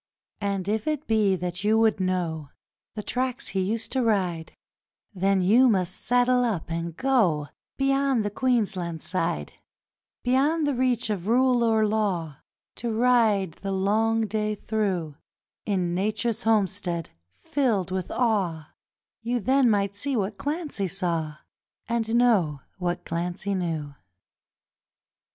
And if it be that you would know The tracks he used to ride, Then you must saddle up and go Beyond the Queensland side Beyond the reach of rule or law, To ride the long day through, In Nature's homestead filled with awe You then might see what Clancy saw And know what Clancy knew.